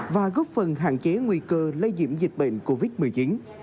và góp phần hạn chế nguy cơ lây nhiễm dịch bệnh covid một mươi chín